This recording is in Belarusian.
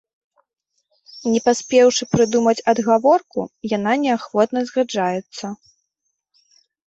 Не паспеўшы прыдумаць адгаворку, яна неахвотна згаджаецца.